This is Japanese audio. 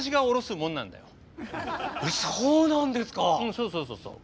そうそうそうそう。